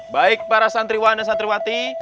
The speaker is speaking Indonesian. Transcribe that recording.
baik para santriwan dan santriwati